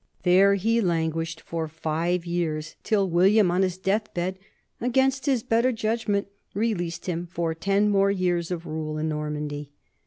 There he languished for five years till William on his death bed, against his better judg ment, released him for ten years more of rule in Nor mandy.